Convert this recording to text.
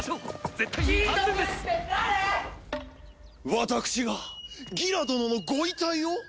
私がギラ殿のご遺体を！？